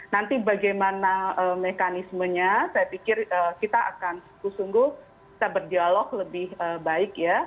nanti bagaimana mekanismenya saya pikir kita akan sungguh berdialog lebih baik